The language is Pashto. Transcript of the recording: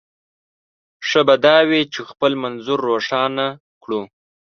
ښه به دا وي چې خپل منظور روښانه کړو.